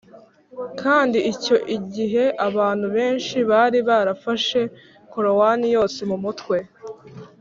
kandi icyo gihe abantu benshi bari barafashe korowani yose mu mutwe